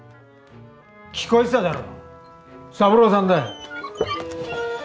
・聞こえてただろ三郎さんだよ。